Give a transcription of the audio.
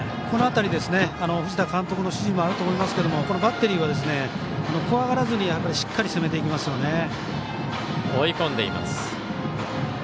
この辺り藤田監督の指示もあると思いますけどバッテリーは怖がらずにしっかり攻めていきますよね。